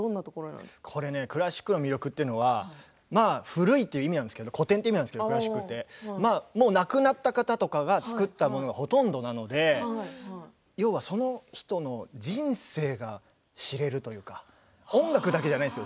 クラシックの魅力というのは古いという意味なんですけれども古典という意味なんですがクラシックって亡くなった方が作ったものがほとんどなので要はその人の人生が知れるというか音楽だけじゃないですよ